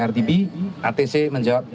rtb atc menjawab